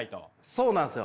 そうなんですよ。